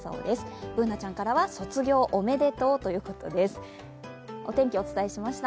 Ｂｏｏｎａちゃんからは卒業おめでとうということです。